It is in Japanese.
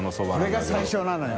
これが最初なのよ。